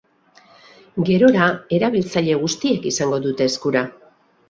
Gerora, erabiltzaile guztiek izango dute eskura.